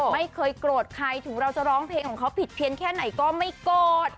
ไม่เคยโกรธใครถึงเราจะร้องเพลงของเขาผิดเพียงแค่ไหนก็ไม่โกรธ